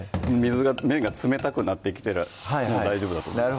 麺が冷たくなってきたらもう大丈夫だと思います